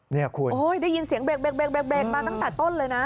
นี่คุณได้ยินเสียงเบรกมาตั้งแต่ต้นเลยนะ